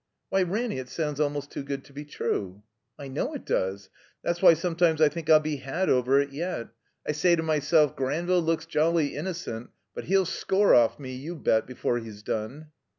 ''Why, Ranny, it sotmds almost too good to be true!" "I know it does. That's why sometimes I think I'll be had over it yet. I say to myself Granville looks jolly innocent, but he'll score off me, you bet, before he's done."